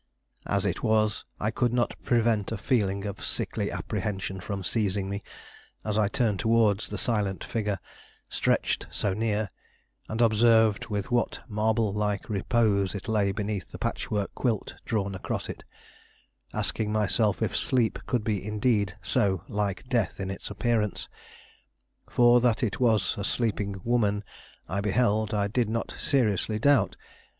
As it was, I could not prevent a feeling of sickly apprehension from seizing me as I turned towards the silent figure stretched so near, and observed with what marble like repose it lay beneath the patchwork quilt drawn across it, asking myself if sleep could be indeed so like death in its appearance. For that it was a sleeping woman I beheld, I did not seriously doubt.